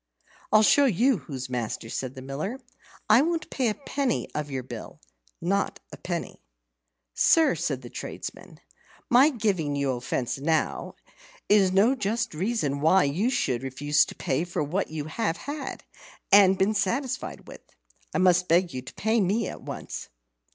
"I'll show you who's master!" said the Miller. "I won't pay a penny of your bill not a penny." "Sir," said the tradesman, "my giving you offence now, is no just reason why you should refuse to pay for what you have had and been satisfied with. I must beg you to pay me at once."